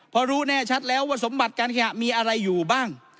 พอรู้แน่ชัดแล้วว่าสมบัติการแข่งมีอะไรอยู่บ้าง